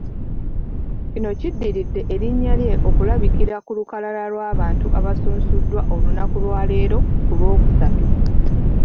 Kino kiddiridde erinnya lye okulabikira ku lukalala lw'abantu abasunsuddwa olunaku lwaleero ku Lw'okusatu.